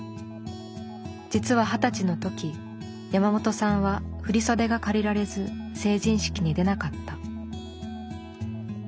実は二十歳の時山本さんは振り袖が借りられず成人式に出なかった。